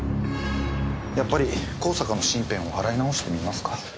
やっぱり香坂の身辺を洗いなおしてみますか？